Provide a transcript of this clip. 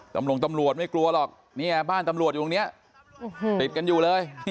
ตำรวจตำรวจไม่กลัวหรอกเนี่ยบ้านตำรวจอยู่ตรงนี้ติดกันอยู่เลย